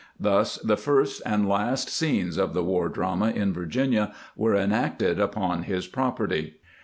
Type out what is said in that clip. Thus the first and last scenes of the war drama in Virginia were enacted upon his property.